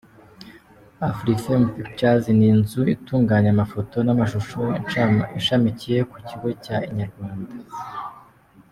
Afrifame Pictures ni inzu itunganya amafoto n’amashusho ishamikiye ku kigo cya Inyarwanda Ltd.